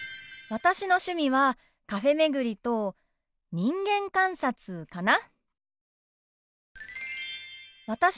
私の趣味はカフェ巡りと人間観察かな。